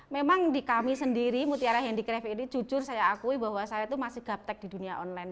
memang di kami sendiri mutiara handicraft ini jujur saya akui bahwa saya itu masih gaptec di dunia online